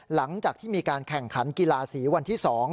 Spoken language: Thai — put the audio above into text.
หลังจากที่มีการแข่งขันกีฬาสีวันที่๒